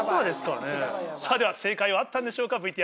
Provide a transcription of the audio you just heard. １００％ですからねでは正解はあったんでしょうか？